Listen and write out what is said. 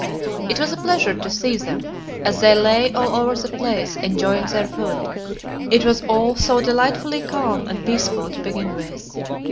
It was a pleasure to see them, as they lay all over the place, enjoying their food; it was all so delightfully calm and peaceful, to begin with.